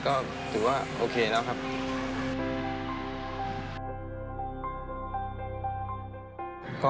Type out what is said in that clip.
ก็เป็นความสำเร็จหน่อยนะครับผมว่าจับหูกก็มาเป็นประสบความสำเร็จนะครับ